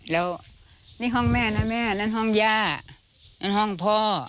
แล้วนี่ห้องแม่นะแม่นั่นห้องย่านั่นห้องพ่อ